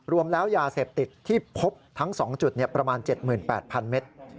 รวมแล้วยาเสพติดที่พบทั้ง๒จุดประมาณ๗๘๐๐๐เมตร